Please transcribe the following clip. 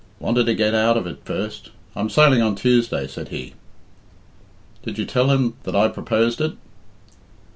"Wanted to get out of it first. 'I'm sailing on Tuesday,' said he." "Did you tell him that I proposed it?"